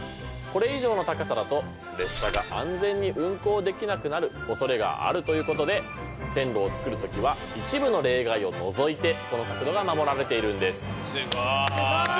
これ以上の高さだと列車が安全に運行できなくなるおそれがあるということで線路を造る時は一部の例外を除いてこの角度が守られているんです。